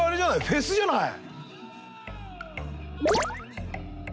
フェスじゃない。